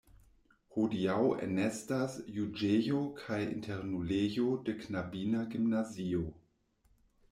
Hodiaŭ enestas juĝejo kaj internulejo de knabina gimnazio.